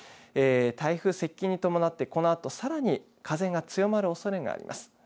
台風接近に伴ってこのあとさらに風が強まるおそれがあります。